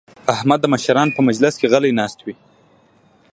احمد د مشرانو په مجلس کې غلی ناست وي.